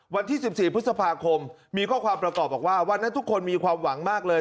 วันที่๑๔พฤษภาคมมีข้อความประกอบบอกว่าวันนั้นทุกคนมีความหวังมากเลย